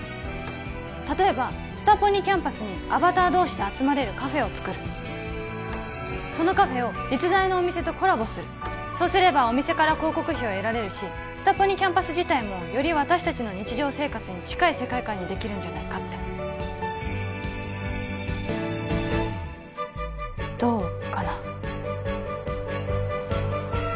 例えばスタポニキャンパスにアバター同士で集まれるカフェを作るそのカフェを実在のお店とコラボするそうすればお店から広告費を得られるしスタポニキャンパス自体もより私達の日常生活に近い世界観にできるんじゃないかってどうかな？